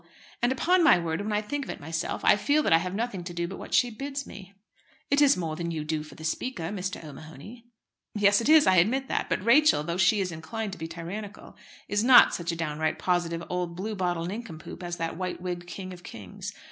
"And, upon my word, when I think of myself, I feel that I have nothing to do but what she bids me." "It's more than you do for the Speaker, Mr. O'Mahony." "Yes, it is; I admit that. But Rachel, though she is inclined to be tyrannical, is not such a downright positive old blue bottle nincompoop as that white wigged king of kings.